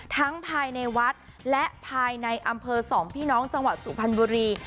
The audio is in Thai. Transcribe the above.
ภายในวัดและภายในอำเภอสองพี่น้องจังหวัดสุพรรณบุรี